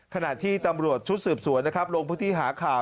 ขนาดที่ตำรวจชุดสืบสวยเรากลังไปที่หาข่าว